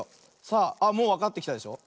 さあもうわかってきたでしょ。